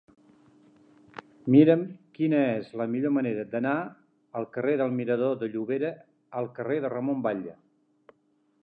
Mira'm quina és la millor manera d'anar al carrer del Mirador de Llobera al carrer de Ramon Batlle.